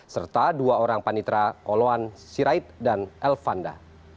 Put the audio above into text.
serta dua orang panitera oloan sirait dan el fanda